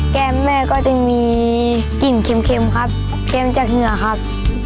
แม่ก็จะมีกลิ่นเค็มครับเค็มจากเหงื่อครับ